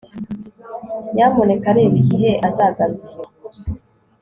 Nyamuneka reba igihe azagarukira